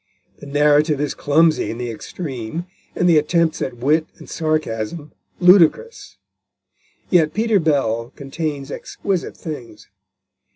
The narrative is clumsy in the extreme, and the attempts at wit and sarcasm ludicrous. Yet Peter Bell contains exquisite things.